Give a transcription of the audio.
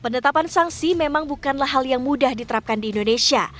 penetapan sanksi memang bukanlah hal yang mudah diterapkan di indonesia